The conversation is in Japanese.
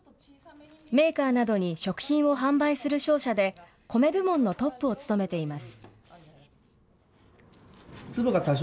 メーカーなどに食品を販売する商社で、コメ部門のトップを務めています。